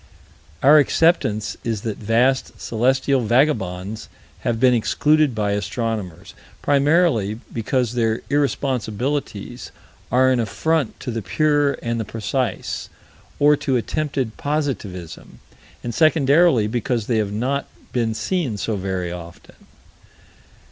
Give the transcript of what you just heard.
Our acceptance is that vast celestial vagabonds have been excluded by astronomers, primarily because their irresponsibilities are an affront to the pure and the precise, or to attempted positivism; and secondarily because they have not been seen so very often.